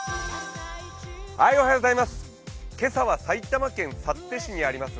今朝は埼玉県幸手市にあります